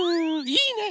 いいね。